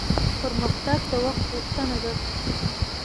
پرمختګ د وخت غوښتنه ده